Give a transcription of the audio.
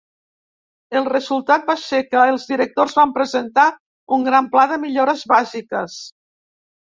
El resultat va ser que els directors van presentar un gran pla de millores bàsiques.